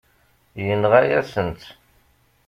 Yenɣa-yasen-tt.